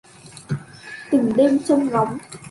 Từng đêm trông ngóng